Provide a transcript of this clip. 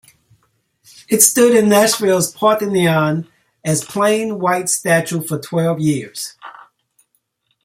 It stood in Nashville's Parthenon as a plain, white statue for twelve years.